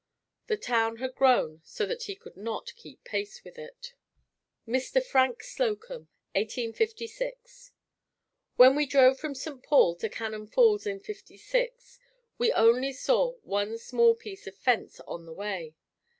The town had grown so that he could not keep pace with it. Mr. Frank Slocum 1856. When we drove from St. Paul to Cannon Falls in '56 we only saw one small piece of fence on the way.